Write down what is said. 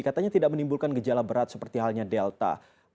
katanya tidak menimbulkan gejala berat seperti halnya delta